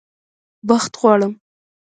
بخت غواړم